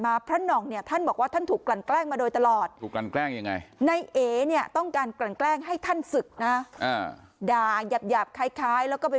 บอกญาติโยมว่าอย่าไปใส่ให้ขอโทษนะอันนี้ท่านเล่านะ